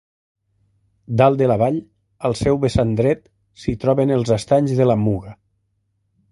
Dalt de la vall, al seu vessant dret, s'hi troben els estanys de la Muga.